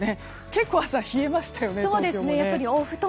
結構、朝冷えましたよね。